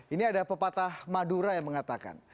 ini ada pepatah madura yang mengatakan